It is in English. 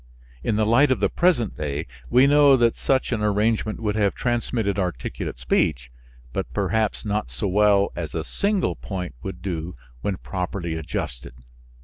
In the light of the present day we know that such an arrangement would have transmitted articulate speech, but perhaps not so well as a single point would do when properly adjusted.